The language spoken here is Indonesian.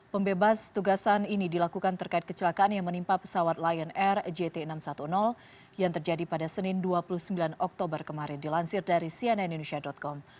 pembebas tugasan ini dilakukan terkait kecelakaan yang menimpa pesawat lion air jt enam ratus sepuluh yang terjadi pada senin dua puluh sembilan oktober kemarin dilansir dari cnnindonesia com